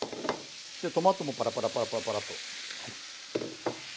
でトマトもパラパラパラパラパラッと。